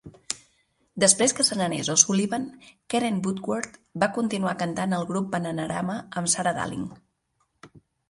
Després que se'n anés O'Sullivan, Keren Woodward va continuar cantat al grup Bananarama amb Sarah Dallin.